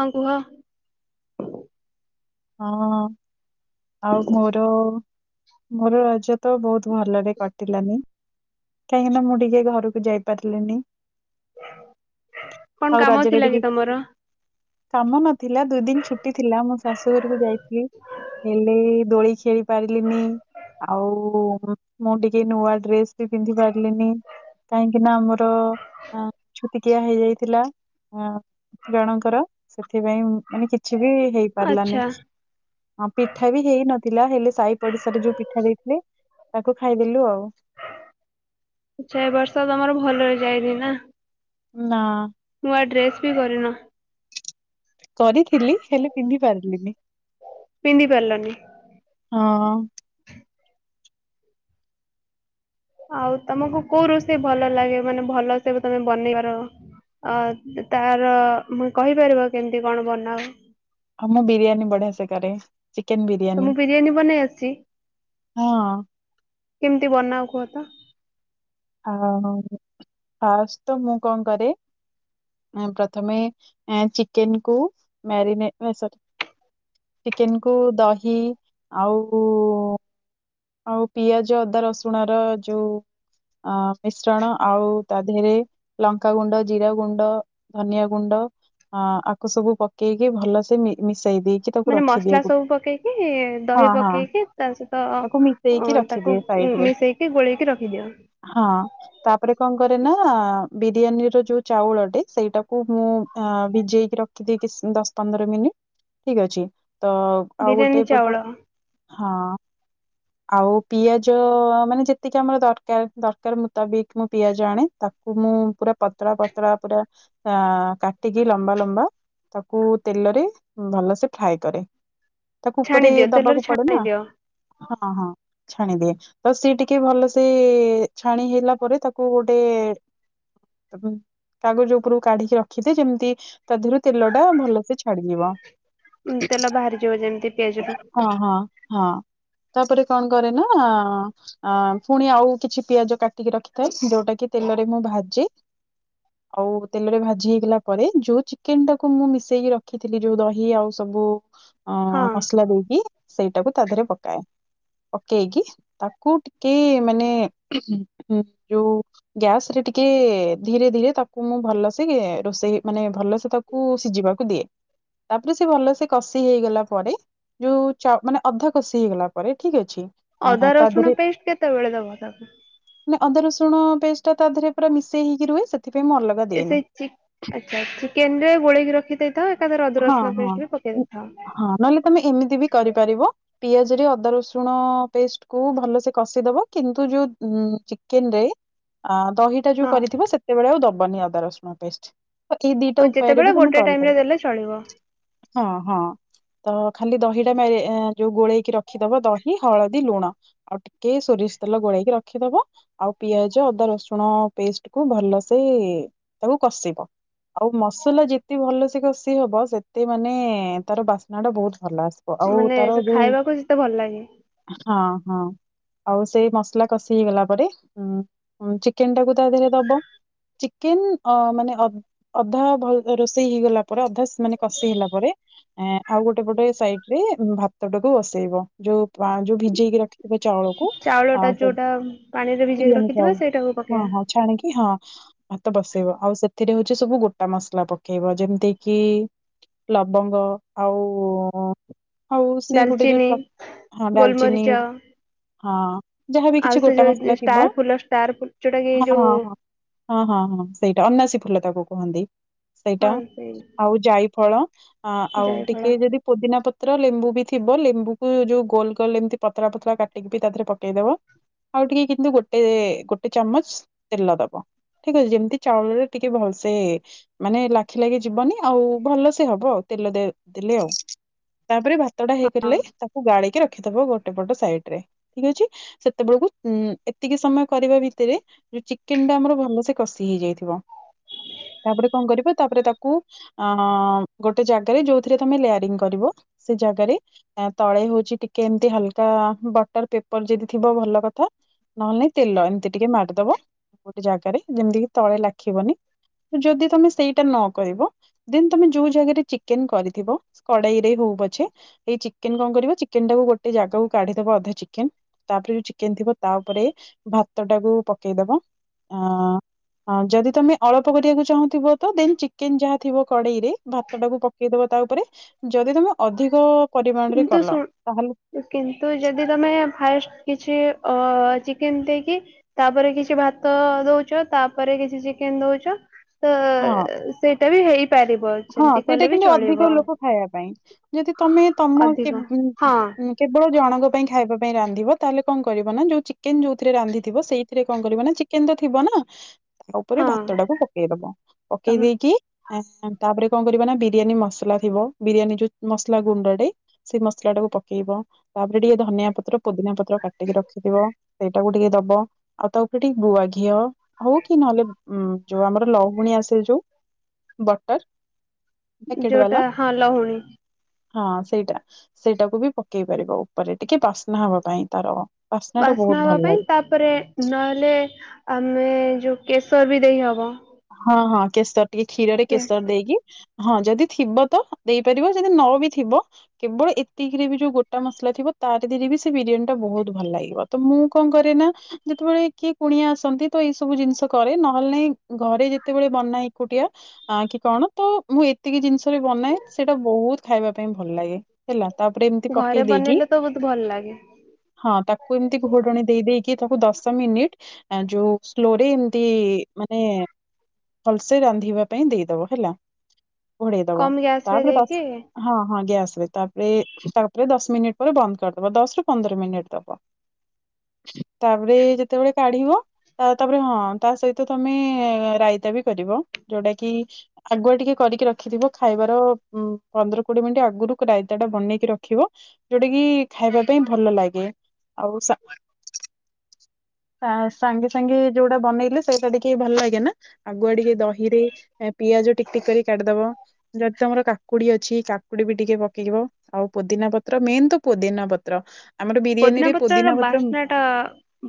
ହଁ କୁହ। ହଁ। ଆଉ ମୋର ମୋର ରଜ ତ ବହୁତ ତୁ ଭଲରେ କଟିଲାନି। କାହିଁକିନା ମୁଁ ଟିକେ ଘରୁକୁ ଯାଇପାରିଲିନି। କଣ ଆଉ କାମ ରଜରେ ଥିଲା କି ଟିକେ ତମର? କାମ ନଥିଲା ଦୁଇ ଦିନି ଛୁଟି ଥିଲା ମୋ ଶାଶ ଶୁ ଘରକୁ ଯାଇଥିଲି ହେଲେ ଦୋଳି ଖେଳି ପାରିଲିନି ଆଉ ମୁଁ ଟିକେ ନୂଆ ଡ୍ରେସ ବି ପିନ୍ଧି ପାରିଲିନି କାହିଁକି ନା ଆମର ଅଁ ଛୁତିକିଆ ହେଇଯାଇଥିଲା ଅଁ ଜଣଙ୍କର ସେଥିପାଇଁ ମ ମାନେ କିଛି ବି ହେଇ ପାରିଲାନି। ଆଚ୍ଛା ହଁ ପିଠା ବି ହେଇ ନଥିଲା ହେଲେ ସାହି ପଡିଶାରେ ଯୋଉ ପିଠା ଦେଇଥିଲେ ତାକୁ ଖାଇଦେଲୁ ଆଉ। ଆଚ୍ଛା ଏ ବର୍ଷ ତମର ଭଲ ରେ ଯାଇନି ନା? ନା। ନୂଆ ଡ୍ରେସ ବି କରିନ। କରିଥିଲି ହେଲେ ପିନ୍ଧି ପାରିଲିନି। ପିନ୍ଧି ପାରିଲନି ହଁ। [unintelligible] ଆଉ ତମକୁ କୋଉ ରୋଷେଇ ଭଲ ଲାଗେ ମାନେ ଭଲସେ ତମେ ବନେଇବାର ଅ ତାର ଉଁ କହିପାରିବ କେମିତି କଣ ବନାଅ? ହଁ ମୁଁ ବିରିୟାନୀ ବଢିଆ ସେ କରେ। ତମୁକୁ ବିରିୟାନୀ ବନେଇ ଆସଛି? ହଁ କେମିତି ବନାଅ କୁହ ତ। ଆ ଫାଷ୍ଟ ତ ମୁଁ କଣ କରେ ଏଁ ପ୍ରଥମେ ଏଁ ଚିକେନ କୁ ମ୍ୟାରିନେ ଏ ସରି ଚିକେନ କୁ ଦହି ଆଉ ଆଉ ପିଆଜ, ଅଦା, ରସୁଣ ର ଯୋଉ ଅ ମିଶ୍ରଣ ଆଉ ତା ଦେହରେ ଲଙ୍କା ଗୁଣ୍ଡ, ଜିରା ଗୁଣ୍ଡ, ଧନିଆ ଗୁଣ୍ଡ ଅଁ ଆକୁ ସବୁ ପକେଇକି ଭଲସେ ମି ମି ମାନେ ମସଲା ସବୁ ପକେଇକି ହଁ ଦହି ହଁ ପକେଇକି ତା ସହିତ ଅ ତାକୁ ମିଶେଇକି ତାକୁ ରଖିଦିଏ ସାଇଡରେ। ମିଶେଇକି ଗୋଳେଇକି ରଖିଦିଅ ହଁ ତାପରେ କଣ କରେ ନା ବିରିୟାନୀ ର ଯୋଉ ଚାଉଳଟେ ସେଇଟାକୁ ମୁଁ ଅ ଭିଜେଇକି ରଖିଦିଏ କି ଦଶ ପନ୍ଦର ମିନିଟ ଠିକ ଅଛି। ତ ଆଉ ବିରିୟାନୀ ଗୋଟେ ଚାଉଳ ପଟ ହଁ। ଆଉ ପିଆଜ ମାନେ ଯେତିକି ଆମର ଦରକାର, ଦରକାର ମୁତାବିକ ମୁଁ ପିଆଜ ଆଣେ ତାକୁ ମୁଁ ପୁରା ପତଳା, ପତଳା ପୁରା କାଟିକି ଲମ୍ବା, ଲମ୍ବା ତାକୁ ତେଲରେ ଭଲସେ ଫ୍ରାଏ କରେ। ତାକୁ ଉପରେ ଛାଣିଦିଅ ତେଲରେ ଦବାକୁ ପଡେ ନା। ଛାଣିଦିଅ ହଁ ଛାଣିଦିଏ। ତ ସିଏ ଟିକେ ଭଲସେ ଛାଣି ହେଇଲା ପରେ ତାକୁ ଗୋଟେ କାଗଜ ଉପରୁକୁ କାଢିକି ରଖିଦିଏ ଯେମିତି ତା ଦେହରୁ ତେଲ ଟା ଭଲସେ ଛାଡ଼ିଯିବ ତେଲ ବାହାରିଯିବ ଯେମିତି ପିଆଜ ରୁ ହଁ, ହଁ, ହଁ। ତାପରେ କଣ କରେ ନା ଅଂ ପୁଣି ଆଉ କିଛି ପିଆଜ କାଟିକି ରଖିଥାଏ ଯୋଉଟା କି ତେଲରେ ମୁଁ ଭାଜେ ଆଉ ତେଲରେ ଭାଜି ହେଇଗଲା ପରେ ଯୋଉ ଚିକେନ ଟାକୁ ମୁଁ ମିଶେଇକି ରଖିଥିଲି ଯୋଉ ଦହି ଆଉ ସବୁ ଅଂ ହଁ ମସଲା ଦେଇକି ସେଇଟାକୁ ତା ଦେହରେ ପକ ପକେଇକି, ତାକୁ ଟିକେ ମାନେ ଯୋଉ ଗ୍ୟାସ ରେ ଟିକେ ଧୀରେ, ଧୀରେ ତାକୁ ମୁଁ ଭଲସେ ରୋଷେଇ ମାନେ ଭଲସେ ତାକୁ ସିଝିବାକୁ ଦିଏ ତାପରେ ସେ ଭଲସେ କଷି ହେଇଗଲା ପରେ ଯୋଉ ମାନେ ଅଧା କଷି ହେଇଗଲା ପରେ ଠିକ୍ ଅଛି। ଅଦା ରସୁଣ ପେଷ୍ଟ କେତେବେଳେ ଦବ ତାକୁ ଅଦା ରସୁଣ ପେଷ୍ଟ ତା ଦେରେ ପୁରା ମିଶେହେଇକି ରୁହେ। ସେଥିପାଇଁ ମୁଁ ଅଲଗା ଏ ଦିଏନି। ସେଇ ଚିକ ଆଛା ଚିକେନ ରେ ଗୋଳେଇକି ରଖି ଦେଇେଇଥାଉ ଏକାଥରେ ଅଦା ହଁ ରସୁଣ ହଁ ପେଷ୍ଟ ବି ପକେଇ ଉଁ, ଦେଇଥାଉ। ପିଆଜ ରେ ଅଦା ରସୁଣ ପେଷ୍ଟ କୁ ଭଲସେ କଷିଦବ କିନ୍ତୁ ଯୋଉ ଚିକେନରେ ଆଁ ଦହିଟା ଯୋଉ ହଁ କରିଥିବ ସେତେବେଳେ ଆଉ ଦବ। ବନି ଅଦା ରସୁଣ ପେଷ୍ଟ ଏଇ ଦିଟା ଉପାୟରେ ଯେତେବେଳେ ବି ତମେ ଗୋଟେ ଟାଇମ ରେ କରିପାରିବ। ଦେଲେ ଚଳିବ ହଁ, ହଁ ତ ଖାଲି ଦହିଟା ପାଇଲେ ଏଁ ଯୋଉ ଗୋଳେଇକି ରଖିଦବ ଦହି ହଳଦୀ ଲୁଣ, ଆଉ ଟିକେ ସୋରିଷ ତେଲ ଗୋଳେଇକି ରଖିଦବ, ଆଉ ପିଆଜ ଅଦା ରସୁଣ ପେଷ୍ଟ କୁ ଭଲସେ ତାକୁ କଷିବ, ଆଉ ମସଲା ଯେତେ ଭଲସେ କଷି ହବ ସେତେ ମାନେ ତାର ବାସ୍ନା ଟା ବହୁତ ଭଲ ଆସିବ ଆଉ। ସେ ତାର ସେ ଯୋଉ ଖାଇବାକୁ ସେତେ ଭଲ ଲାଗେ। ହଁ ହଁ ଆଉ ସେଇ ମସଲା କଷି ହେଇଗଲା ପରେ ଉ ଚିକେନ ଟାକୁ ତା ଦେହରେ ଦବ। ଚିକେନ ଅ ମାନେ ଅଧା ଭଲ ରୋଷେଇ ହେଇଗଲା ପରେ ଅଧା ମାନେ କଷି ହେଲା ପରେ ଆଉ ଗୋଟେ ପଟେ ସାଇଡରେ ଭ ଭାତଟା କୁ ବସେଇବ ଯୋଉ, ଯୋଉ ଭିଜେଇକି ରଖିଥିବା ଚାଉଳକୁ ଚାଉଳ ଆ ଟା ସେ ଯୋଉଟା ପାଣିରେ ଭିଜେଇକି ବିରିୟାନୀ ହଁ, ରଖିଥିବା ସେଇଟାକୁ ପକେଇବା ହଁ ଛାଣିକି ହଁ। ହଁ ଭାତ ବସେଇିବ ଆଉ ସେ ଏଥିରେ ହଉଛି ସବୁ ଗୋଟା ମସଲା ପକେଇବ ଯେମିତି କିି ଲବଙ୍ଗ ଆଉ ହଉ ସେ ଗୋଟେ ଡାଲଚିନି ଯୋଉ ହଁ ଡାଲଚିନି ଗୋଲମରିଚ ହଁ ଯାହାବି ଆଉ କିଛି ସେ ଗୋଟା ଯୋଉ ମସଲା ହଁ, ଷ୍ଟାର ଫୁଲ ଷ୍ଟାର ଫୁଲ ଯୋଉଟା କି ହଁ, ଯୋଉ ହଁ, ହଁ, ହଁ, ହଁ ସେଇଟା ଅନାସୀ ଫୁଲ ତାକୁ କହନ୍ତି। ସେଇଟା। ହଁ ସେଇ ଆଉ ଯାଇ ଫଳ ହ ଆଉ ଯାଇ ଫଳ ଟିକେ ଯଦି ପୋଦିନା ପତ୍ର ପତ୍ର ଲେମ୍ବୁ ବି ଥିବ ଲେମ୍ବୁକୁ ଯୋଉ ଗୋଲ କଲେ ଏମିତି ପତଳା ପତଳା କାଟିକି ତାଥେର ରେ ପକେଇଦବ। ଆଉ ଟିକେ କିନ୍ତୁ ଗୋଟେ ଗୋଟେ ଚାମଚ ତେଲ ଦବ ଠିକ ଅଛି ଯେମିତି ଚାଉଳରେ ଟିକେ ଭଲସେ ମାନେ ଲାଖି ଲାଗି ଯିବନି ଆଉ ଭଲସେ ହବ ଆଉ ତେଲ ଦେଲେ ଆଉ ତାପରେ କତଟା ହଁ ହେଇିଲ ତାକୁ ଗାେଇିକି ରଖ ରଖି ଗୋଟେ ପଟ ସାଇଡ ରେ ଠିକ ଅଛି ସେତେବେଳକୁ ଏତିକି ସମୟ କରିବା ଭିତରେ ଯଉ ଚିକେନ ଟା ଆମର ଭଲସେ କଷି ହେଇଯାଇଥିବ ତାପରେ କଣ କରିବ ତାପରେ ତାକୁ ଅ ଗୋଟେ ଜାଗାରେ ଯୋଉଥିରେ ତମେ ଲେୟାରିଙ୍ଗ କରିବ ସେ ଜାଗାରେ ତଳେ ହଉଛି ଟିକେ ଏମିତି ହାଲକା ବଟର ପେପର ଯଦି ଥିବ ଭଲ କଥା। ନହେଲୋଇ ତେଲ ଏମିତି ଟିକେ ମାାରିଦବ ଗୋଟେ ଜାଗାରେ ଯେମିତି କି ତଳେ ଲାଖିବନି ଯଦି ତମେ ସେଇଟା ନ କରିବ ଦେନ ତମେ ଯୋଉ ଜାଗାରେ ଚିକେନ କରିଥିବ କଡେଇରେ ହଉ ପଛେ ଏଇ ଚିକେନ କଣ କରିବ ଚିକେନ ଟାକୁ ଗୋଟେ ଜାଗାକୁ କାଢିଦବ ଅଧା ଚିକେନ ତାପରେ ଯୋଉ ଚିକେନ ଥିବ ତା ଉପରେ ଭାତ ଟାକୁ ପକେଇଦବ ଅ ଯଦି ତମେ ଅଳ୍ପ କରିବାକୁ ଚାହୁଁ ଥ ତ ଦେ ଚିକେନ ଯାହା ଥିବ କଡ଼େଇ ରେ ଭାତ ଟାକୁ ପକେଇଦବ ତା ଉପରେ ଯଦି ତମେ ଅଧିକ ପରିମାଣରେ କିନ୍ତୁ କଲ ତାହେଲେ ଶ କିନ୍ତୁ ଯଦି ତମେ ଫାଇ କିଛି ଅ ଚିକେନ ଦେଇକି ତାପରେ କିଛି ଭାତ ଦଉଛ ତାପରେ କିଛି ଚିକେନ ଦଉଛ ତ ହଁ ସେଇଟା ବି ହେଇ ହଁ ସେଇଟା କିନ୍ତୁ ଅଧିକ ଲୋକ ଖାଇବା ପାଇଁ ଯଦି ତମେ ତ ଅଧିକ ହଁ କେବଳ ଜଣ ଗ ଖାଇବା ପାଇଁ ରାନ୍ଧିବ ତାହେଲେ କଣ କରିବ ନା ଯୋଉ ଚିକେନ ଯୋଉଥିରେ ରାନ୍ଧିଥିବ ସେଇଥିରେ କଣ କରିବ ନା ଚିକେନ ତ ଥିବ ନା। ତା ଉପରେ ହଁ ଭାତ ଟାକୁ ପକେଇ ଦବ ପକେଇ ତମେ ଦେଇକି ଆ ତାପରେ କଣ କରିବା ନା ବିରିୟାନୀ ମସଲା ଥିବ ବିରିୟାନୀ ଯୋଉ ମସଲା ଗୁଣ୍ଡଟେ ସେଇ ମସଲା ଟାକୁ ପକେଇବ ତାପରେ ଟିକେ ଧନିଆ ପତ୍ର ପୋଦିନାଆ ପତ୍ର କାଟିକି ରଖିଥିବ ସେଇଟାକୁ ଟିକେ ଦବ ଆଉ ତା ଉପରେ ଟିକେ ଗୁଆ ଘିଅ ହଉ କି ନହଲେ ଉଁ ଯୋଉ ଆମର ଲହୁଣୀ ଆସିଲ ଯୋଉ ବଟର ପ୍ୟାକେଟ ବାଲା ଯୋଉଟା ହଁ ଲହୁଣୀ ହଁ ସେଇଟା ସେଇଟାକୁ ବି ପକେଇ ପାରିବ ଉପରେ ଟିକେ ବାସ୍ନା ହବା ପାଇଁ ତାର ଟା ବାସ୍ନା ବହୁତ ହବା ଭଲ ଲାଗେ। ପାଇଁ ତାପରେ ନହେଲେ ଆମେ ଯୋଉ କେଶର ବି ଦେଇହେବ। ହଁ ହଁ କେଶର ଟିକେ କ୍ଷୀରରେ କେଶର ଦେଇକି ହଁ ଯଦି ଥିବ ତ ଦେଇପାରିବ ଯଦି ନ ବି ଥିବ କେବଳ ଏତିକିରେ ବି ଯୋଉ ଗୋଟା ମସଲା ଥିବ ତାର ଦେିରେ ବି ସେ ବିରିୟାନୀ ଟା ବହୁତ ଭଲ ଲାଗିବ ତ ମୁଁ କଣ କରେ ନା ଯେତେବେଳେ କିଏ କୁଣିଆ ଆସନ୍ତି ତ ଏଇ ସବୁ ଜିନିଷ କରେ ନହେଲେ ନାଇଁ। ଘରେ ଯେତେବେଳେ ବନାଏ ଏକୁଟିଆ କି କଣ ତ ମୁଁ ଏତିକି ଜିନିଷ ବି ବନାଏ ସେଇଟା ବହୁତ ଖାଇବା ପାଇଁ ଭଲ ଲାଗେ ହେଲା। ତାପରେ ଏମିତି ପକେଇ ଘରେ ଦେଇକି ବନେଇଲେ ତ ବହୁତ ଭଲ ଲାଗେ ହଁ ତାକୁ ଏମିତି ଘୋଟଣୀ ଦେଇ ଦେଇକି ତାକୁ ଦଶ ମିନିଟ ଯୋଉ ସ୍ଲୋରେ ଏମିତି ଭଲସେ ରାନ୍ଧିବା ପାଇଁ ଦେଇଦବ ହେଲା। ଘୋଡ଼େଇ ଦବ କମ ଗ୍ୟାସ ରେ ତାପର ଦ ଦେଇକି ହଁ ହଁ ଗ୍ୟାସ ତାପରେ ତାପରେ ଦଶ ମିନିଟ ପରେ ବନ୍ଦ କରିଦବ ଦଶ ରୁ ପନ୍ଦର ମିନିଟ ଦବ ତାପରେ ଯେତେବେଳେ କାଢିବ ତାପରେ ହଁ ତା ସହିତ ତମେ ରାଇତା ବି କରିବ ଯୋଉଟା କି ଆଗୁଆ ଟିକେ କରିକି ରଖିଥିବ ଖାଇବାର ଉ ପନ୍ଦର କୋଡିଏ ମିନିଟ ଆଗରୁ ରାଇତା ଟା ବନେଇକି ରଖିବ ଯୋଉଟା କି ଖାଇବା ପାଇଁ ଭଲ ଲାଗେ ଆଉ ସ ଆ ସାଙ୍ଗେ ସାଙ୍ଗେ ଯୋଉଟା ବନେଇଲେ ସେଇଟା ଟିକେ ଭଲ ଲାଗେ ନା ଆଗୁଆ ଟିକେ ଦହିରେ ପିଆଜ ଟିକ ଟିକ କରି କାଢିଦବ ଯଦି ତମର କାକୁଡି ଅଛି କାକୁଡି ବି ଟିକେ ପକେଇିବ ଆଉ ପୋଦିନା ପତ୍ର ମେନ ତ ପୋଦିନା ପତ୍ର ଆମର ବିରିୟାନୀ ପଦିନା ରେ ପତ୍ର ର ପୋଦିନା ବାସ୍ନା ଟା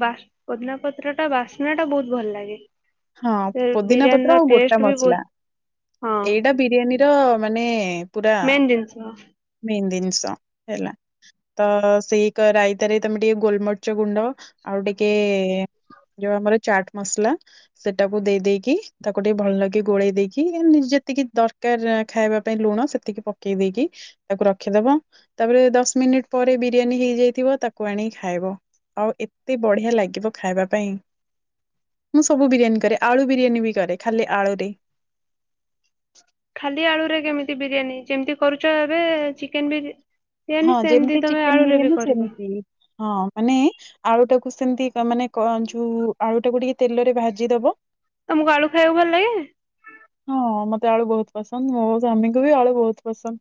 ବା ପଦିନା ପତ୍ର ଟା ବାସ୍ନା ଟା ବହୁତ ଭଲ ଲାଗେ। ହ। ହଁ ପୋଦିନା ପତ୍ର ଆଉ ଗୋଟା ବି ମସଲା ବହୁତ ହଁ ଏଇଟା ବିରିୟାନୀର ମାନେ ପୁରା ମେନ୍ ଜିନିଷ ମେନ୍ ଜିନିଷ ହେଲା ତ ସେଇ ଏକ ରାଇତାରେ ତମେ ଟିକେ ଗୋଲମରିଚ ଗୁଣ୍ଡ ଆଉ ଟିକେ ଯୋଉ ଆମର ଚାଟ ମସଲା ସେଟାକୁ ଦେଇ ଦେଇେଇକି ତାକୁ ଟିକେ ଭଲ ଲାଗି ଗୋଳେଇ ଦେଇକି ଯେତିକି ଦରକାର ଖାଇବା ପାଇଁ ଲୁଣ ସେତିକି ପକେଇ ଦେଇକି ତାକୁ ରଖିଦବ ତାପରେ ଦଶ ମିନିଟ ପରେ ବିରିୟାନୀ ହେଇଯାଇଥିବ ତାକୁ ଆଣିକି ଖାଇବ ଆଉ ଏତେ ବଢିଆ ଲାଗିବ ଖାଇବା ପାଇଁ ମୁଁ ସବୁ ବିରିୟାନୀ କରେ ଆଳୁ ବିରିୟାନୀ ବି କରେ ଖାଲି ଆଳୁରେ ଖାଲି ଆଳୁରେ କେମିତି ବିରିୟାନୀ ଯେମିତି କରୁଛ ଏବେ ଚିକେନ ବି ହଁ ବିରିୟାନୀ ସେମିତି ଯେମିତି ତମେ ଚିକେନ ଆଳୁରେ ବିରିୟାନୀ କରିବ ସେମିତି ହଁ ମାନେ ଆଳୁଟାକୁ ସେମିତି ତମାନେ କଣଛୁ ଆଳୁ ଟାକୁୁ ଟିକେ ତେଲରେ ଭାଜିଦବ ତମକୁ ଆଳୁ ଖାଇବାକୁ ଭଲ ଲାଗେ? ତେ ଆଳୁ ବହୁତ ପସନ୍ଦ ମୋ ସ୍ୱାମୀଙ୍କୁ ବି ଆଳୁ ବହୁତ ପସନ୍ଦ।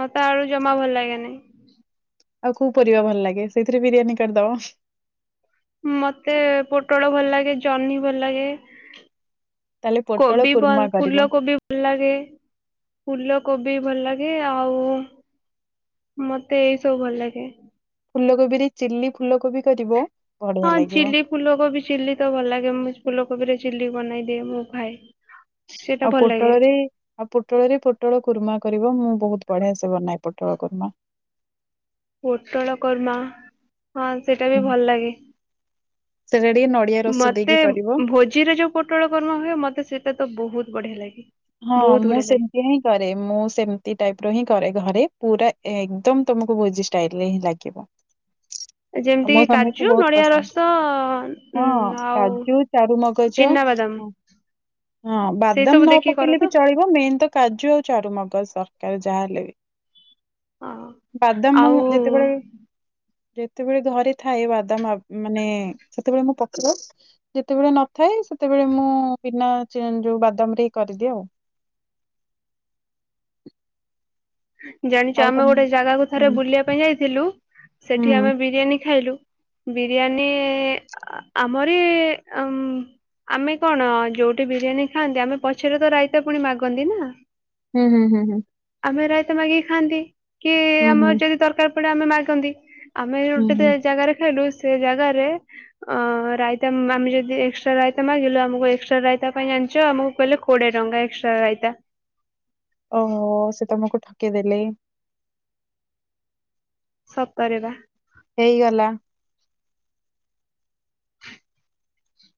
ମତେ ଆଳୁ ଜମା ଭଲ ଲାଗେ ନାଇଁ ଆଉ କୋଉ ପରିବା ଭଲ ଲାଗେ ସେଇଥିରେ ବିରିୟାନୀ କରିଦବ ମତେ ପୋଟଳ ଭଲ ଲାଗେ ଜହ୍ନୀ ଭଲ ଲାଗେ ତାହେଲେ ପୋଟଳ କବି କୁର୍ମା ଭଲ କରିବ। ଫୁଲ କୋବି ଭଲ ଲାଗେ ଫୁଲ କୋବି ବି ଭଲ ଲାଗେ ଆଉ ମତେ ଏଇ ସବୁ ଭଲ ଲାଗେ ଫୁଲକୋବିରେ ଚିଲ୍ଲି ଫୁଲକୋବି କରିବ ବଢିଆ ହଁ ଲାଗିବ ଚିଲି ଫୁଲକୋବି ଚିଲି ତ ଭଲ ଲାଗେ ମୁ ଫୁଲକୋବିରେ ଚିଲି ବନେଇଦିଏ ମୁଁ ଖାଏ। ସେଇଟା ଆଉ ଭଲ ଲାଗେ ପୋଟଳରେ ଆଉ ପୋଟଳରେ ପୋଟଳ କୁର୍ମା କରିବ ମୁଁ ବହୁତ ବଢିଆ ସେ ବନାହି ପୋଟଳକୁର୍ମା ପୋଟଳ କରର୍ମା ହଁ ସେଇଟା ବି ହୁଁ ଭଲ ଲାଗେ ସେଟା ଟିକେ ନଡିଆ ରସ ମତେ ଦେଇକି କରିବ। ଭୋଜିର ଯୋଉ ପୋଟଳ କର୍ମା ହୁଏ ମତେ ସେଇଟା ତ ବହୁତ ବଢିଆ ଲାଗେ। ହଁ ବହୁତ ମୁଁ ବଢିଆ ଲାଗେ ସେମିତି ହିଁ କରେ ମୁଁ ସେମିତି ଟାଇପ ର ହିଁ କରେ ଘରେ ପୁରା ଏକଦମ ତମକୁ ଭୋଜି ଷ୍ଟାଇଲରେ ହିଁ ଲାଗିବ। ଯେମିତି ମୋ କି ସମାମୀକୁ କାଜୁ ବହୁତ ନଡିଆ ପସନ୍ଦ ରସ ଉଁ ହଁ ଆଉ କାଜୁ ଚାରୁମଗଜ ଚିନାବାଦାମ ହଁ ସେଇ ବାଦାମ ସବୁ ନ ଦେଖିକି ପ କର ଲେ ବି ତ ଚଳିବ ମେନ ତ କାଜୁ ଆଉ ଚାରୁମଗ ସ କା ଯାହା ହେଲେ ବି ହଁ ବାଦାମ ଆଉ ଯେତେବେଳେ ଯେତେବେଳେ ଘରେ ଥାଏ ବାଦାମ ମାନେ ସେତେବେଳେ ମୁଁ ପକେଇବ ଯେତେବେଳେ ନଥାଏ ସେତେବେଳେ ମୁଁ ବିନା ଯୋଉ ବାଦାମ ରେ କରିଦଉ। ଜାଣିଛୁ ଆମେ ଗୋଟେ ଜାଗାକୁ ଥରେ ହୁଁ ବୁଲିବା ପାଇଁ ଯାଇଥିଲୁ ହୁଁ ସେଠି ଆମେ ବିରିୟାନୀ ଖାଇଲୁ। ବିରିୟାନୀ ଆମରି ଉ ଆମେ କଣ ଯୋଉଠି ବିରିୟାନୀ ଖାଆନ୍ତି ଆମେ ପଛରେ ତ ରାଇତା ପୁଣି ମାଗନ୍ତି ନା। ହୁଁ ହୁଁ ହୁଁ ହୁଁ। ଆମେରା ମାଗି ଖାଆନ୍ତି। କି ହୁଁ ଆମର ଯଦି ଦରକାର ଏପଟେ ଆମେ ମାଗନ୍ତି। ଆମେ ହୁଁ ଗୋଟେ ହୁଁ। ଜାଗାରେ ଖାଇଲୁ। ସେ ଜାଗାରେ ରାଇତା ଆମେ ଯଦି ଏକ୍ସଟ୍ରା ରାଇତା ମାଗିଲୁ ଆମକୁ ଏକ୍ସଟ୍ରା ରାଇତା ପାଇଁ ଆଣିଛ ଆମକୁ କହିଲେ କୋଡିଏ ଟଙ୍କା ଏକ୍ସଟ୍ରା ରାଇତା। ଓହୋ ସେ ତମକୁ ଠକେଇଦେଲେ। ସତରେ ବା। ହେଇଗଲା।